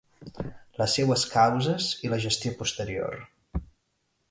Les seues causes, i la gestió posterior.